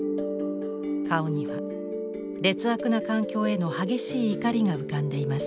顔には劣悪な環境への激しい怒りが浮かんでいます。